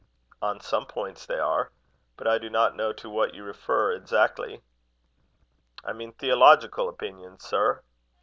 "On some points, they are. But I do not know to what you refer, exactly." "I mean theological opinions, sir."